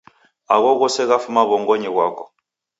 Agho ghose ghafuma w'ongonyi ghwako.